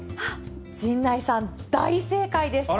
陣内さん、大正解です。